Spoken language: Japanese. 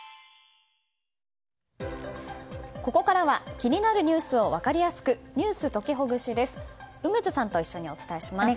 ここからは気になるニュースを分かりやすくｎｅｗｓときほぐしです。